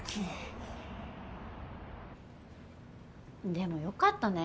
でも良かったね。